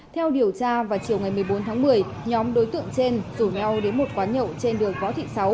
theo điều tra vào chiều ngày một mươi bốn tháng một mươi nhóm đối tượng trên rủ nhau đến một quán nhậu trên đường võ thị sáu